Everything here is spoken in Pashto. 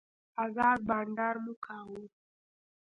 ازاد بانډار مو کاوه.